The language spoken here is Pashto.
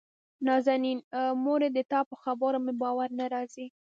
نازنين: مورې دتا په خبرو مې باور نه راځي.